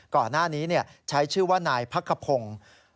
ก่อนหน้านี้ใช้ชื่อว่านายพักขพงศ์